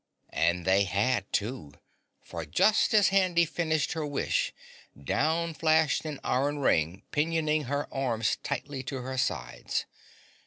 And they had, too, for just as Handy finished her wish, down flashed an iron ring pinioning her arms tightly to her sides.